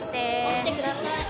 起きてください。